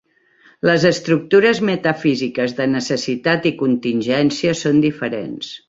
Les estructures metafísiques de necessitat i contingència són diferents.